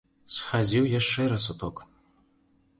Схадзіў яшчэ раз у ток.